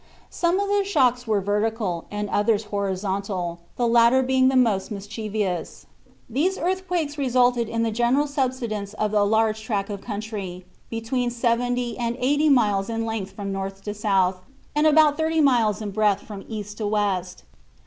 Some of the shocks were vertical, and others horizontal, the latter being the most mischievous. These earthquakes resulted in the general subsidence of a large tract of country, between seventy and eighty miles in length from north to south, and about thirty miles in breadth from east to west.